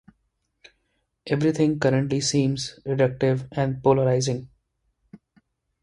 Everything currently seems reductive and polarising.